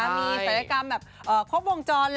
มีศัลยกรรมแบบพบวงจรแหละ